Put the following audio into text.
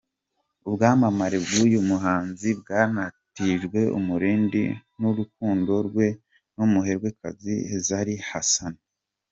Ubwamamare bw’uyu muhanzi bwanatijwe umurindi n’urukundo rwe n’umuherwekazi Zari Hassan.